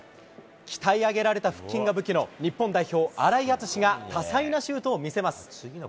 鍛え上げられた腹筋が武器の日本代表、荒井陸が多彩なシュートを見せます。